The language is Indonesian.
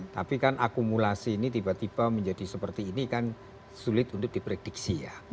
tapi kan akumulasi ini tiba tiba menjadi seperti ini kan sulit untuk diprediksi ya